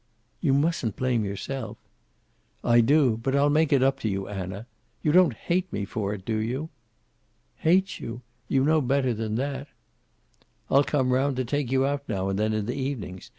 "You mustn't blame yourself." "I do. But I'll make it up to you, Anna. You don't hate me for it, do you?" "Hate you! You know better than that." "I'll come round to take you out now and then, in the evenings.